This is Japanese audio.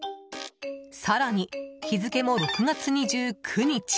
更に、日付も６月２９日。